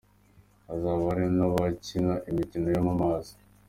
Hazaba hari n'abakina imikino yo mu mazi.